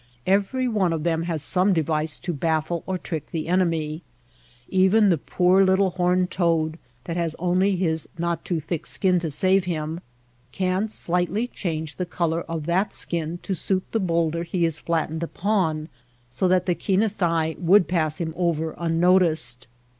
Every one of them has some device to baffle or trick the enemy. Even the poor little horned toad, that has only his not too thick skin to save him, can slightly change the color of that skin to suit the bowlder he is flattened upon so that the keenest eye would pass him over unnoticed.